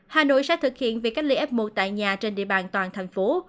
hà nội sẽ thực hiện việc cách ly f một tại nhà trên địa bàn toàn thành phố